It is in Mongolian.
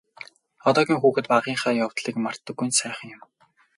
Одоогийн хүүхэд багынхаа явдлыг мартдаггүй нь сайхан юм.